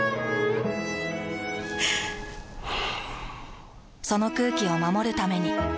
ふぅその空気を守るために。